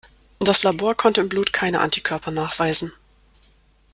Das Labor konnte im Blut keine Antikörper nachweisen.